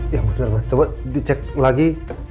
ya bener pak coba dicek lagi